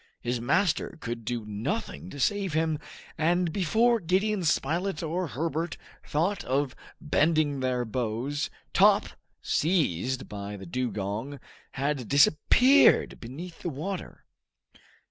His master could do nothing to save him, and before Gideon Spilett or Herbert thought of bending their bows, Top, seized by the dugong, had disappeared beneath the water.